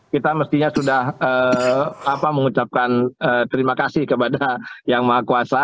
kita mestinya sudah mengucapkan terima kasih kepada yang maha kuasa